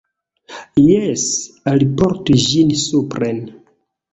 Jes, alportu ĝin supren.